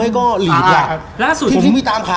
อัลเดปิโล